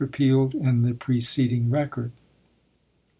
repealed in the preceding record.